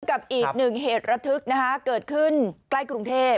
กับอีกหนึ่งเหตุระทึกนะฮะเกิดขึ้นใกล้กรุงเทพ